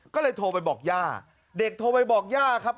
ก็เลยโทรไปบอกย่าเด็กโทรไปบอกย่าครับ